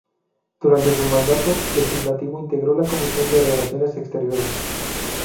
Durante su mandato legislativo integró la Comisión de Relaciones Exteriores.